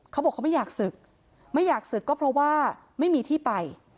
เขาบอกเขาไม่อยากศึกไม่อยากศึกก็เพราะว่าไม่มีที่ไป